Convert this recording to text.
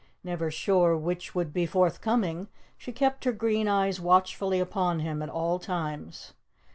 Never sure which would be forthcoming, she kept her green eyes watchfully upon him at all times.